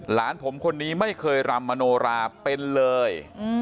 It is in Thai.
หลานผมคนนี้ไม่เคยรำมโนราเป็นเลย